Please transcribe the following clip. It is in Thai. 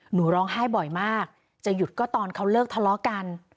หนูร้องไห้บ่อยมากจะหยุดก็ตอนเขาเลิกทะเลาะกัน